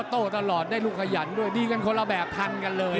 โต้ตลอดได้ลูกขยันด้วยดีกันคนละแบบทันกันเลย